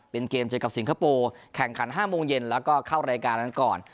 เป็นเกมเจอกับสิงคโปร์แข่งขัน๕โมงเย็นแล้วก็เข้ารายการนั้นก่อน